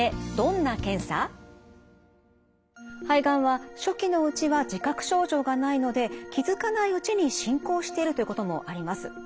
肺がんは初期のうちは自覚症状がないので気付かないうちに進行しているということもあります。